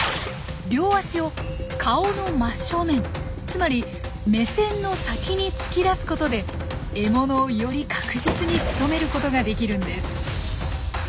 つまり目線の先に突き出すことで獲物をより確実にしとめることができるんです。